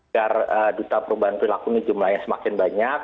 agar duta perubahan perilaku ini jumlahnya semakin banyak